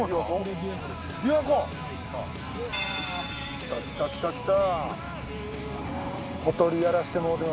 きたきたきたきた！